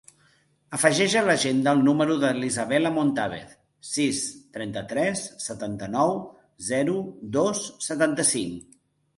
Afegeix a l'agenda el número de l'Isabella Montavez: sis, trenta-tres, setanta-nou, zero, dos, setanta-cinc.